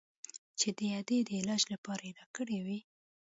چې د ادې د علاج لپاره يې راکړى و.